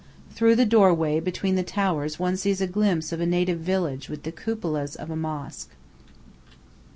Through the doorway between the towers one sees a glimpse of a native village with the cupolas of a mosque.